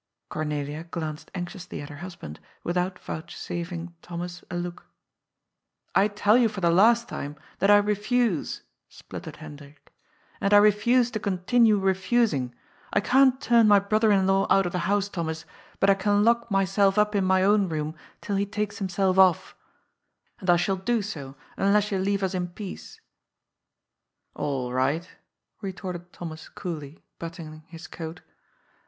Cornelia glanced anxiously at her husband, without vouchsafing Thomas a look. " I tell you for the last time that I refuse," spluttered Hendrik ;^* and I refuse to continue refusing. I can't turn my brother in law out of the house, Thomas, but I can lock A PARTNERSHIP WITH LIMITED LIABILITY. 247 myself up in my own room till he takes himself off. And I shall do so, unless you leave us in peace." ^^ All right," retorted Thomas coolly, buttoning his coat.